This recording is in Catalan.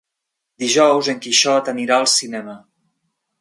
Dijous en Quixot anirà al cinema.